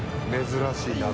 珍しい鍋。